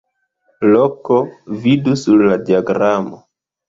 Loko: vidu sur la diagramo.